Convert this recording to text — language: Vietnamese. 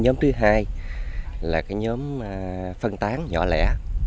nhóm thứ hai là nhóm phân tán nhỏ lẻ